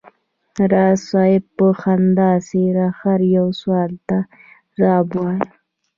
راز صاحب په خندانه څېره هر یو سوال ته ځواب وایه.